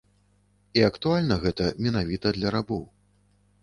І актуальна гэта менавіта для рабоў.